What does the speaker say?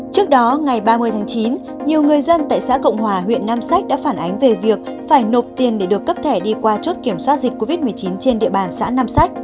trước đó ngày ba mươi tháng chín nhiều người dân tại xã cộng hòa huyện nam sách đã phản ánh về việc phải nộp tiền để được cấp thẻ đi qua chốt kiểm soát dịch covid một mươi chín trên địa bàn xã nam sách